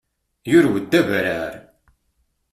Yurew-d abarrar.